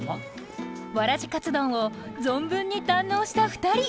わらじかつ丼を存分に堪能した２人。